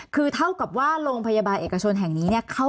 คือเท่ากับว่าโรงพยาบาลเอกชนแห่งนี้เนี่ย